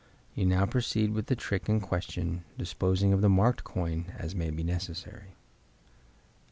You now proceed with the trick in question, disposing of the marked coin as may be necessary.